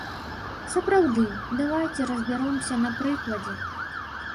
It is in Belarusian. Сапраўды, давайце разбяромся на прыкладзе.